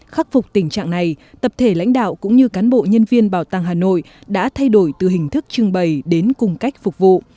khắc phục tình trạng này tập thể lãnh đạo cũng như cán bộ nhân viên bảo tàng hà nội đã thay đổi từ hình thức trưng bày đến cùng cách phục vụ